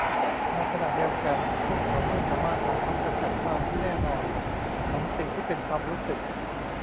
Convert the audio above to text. ในขณะเดียวกันพวกเขาไม่สามารถหาคำจำกัดความที่แน่นอนของสิ่งที่เป็นความรู้สึก